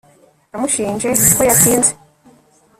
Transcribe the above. yamushinje ko yatinze